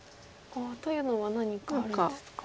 というのは何かあるんですか？